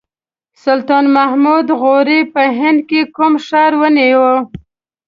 سلطان محمد غوري په هند کې کوم ښار ونیو.